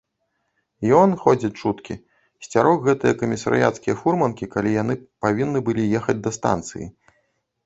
Ён, ходзяць чуткі, сцярог гэтыя камісарыяцкія фурманкі, калі яны павінны былі ехаць да станцыі.